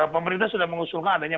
pemerintah sudah mengusulkan adanya